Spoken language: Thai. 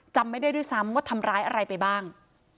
จำไม่ได้ด้วยซ้ำว่าทำร้ายอะไรไปบ้าง